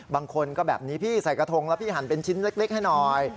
บางคนก็แบบนี้พี่ใส่กระทงแล้วพี่หั่นเป็นชิ้นเล็กให้หน่อย